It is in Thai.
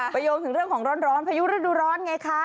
โยงถึงเรื่องของร้อนพายุฤดูร้อนไงคะ